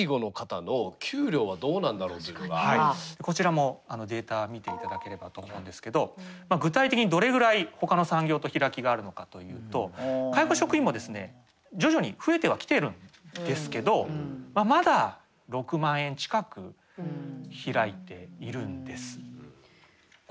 こちらもデータを見ていただければと思うんですけど具体的にどれぐらいほかの産業と開きがあるのかというと介護職員も徐々に増えてはきているんですけどまだ６万円近く開いているんです。